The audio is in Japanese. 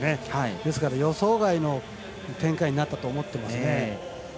ですから予想外の展開になったと思いますね。